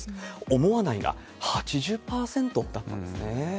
思わないが８０％だったんですね。